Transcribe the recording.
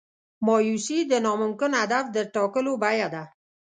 مایوسي د ناممکن هدف د ټاکلو بیه ده.